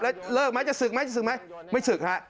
แล้วเลิกไหมจะศึกไหมจะศึกไหมไม่ศึกฮะ